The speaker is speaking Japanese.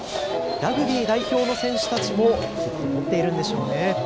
ラグビー代表の選手たちもきっと持っているんでしょうね。